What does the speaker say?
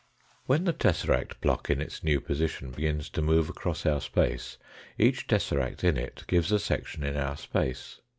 When the tesseract block in its new position begins to move across our space each tesseract in it gives a section in our space.